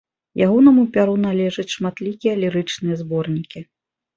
Ягонаму пяру належаць шматлікія лірычныя зборнікі.